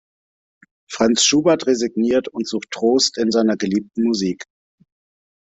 Franz Schubert resigniert und sucht Trost in seiner geliebten Musik.